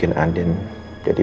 harusnya udah inginkan